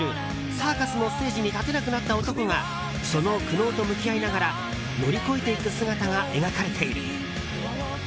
サーカスのステージに立てなくなった男がその苦悩と向き合いながら乗り越えていく姿が描かれている。